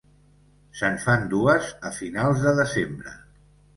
Se'n fan dues a finals de desembre.